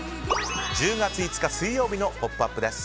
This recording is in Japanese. １０月５日、水曜日の「ポップＵＰ！」です。